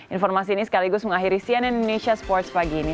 informasi ini sekaligus mengakhiri cnn indonesia sports pagi ini